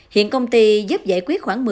hiện công ty giúp giải quyết khoảng